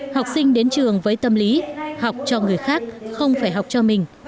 học sinh đến trường với tâm lý học cho người khác không phải học cho mình